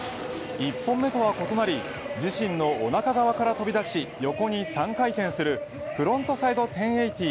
１本目とは異なり自身のおなか側から飛び出し横に３回転するフロントサイド１０８０。